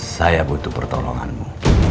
saya butuh pertolonganmu